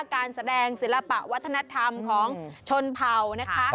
การแสดงศิลปะวัฒนธรรมของชนเผ่านะคะ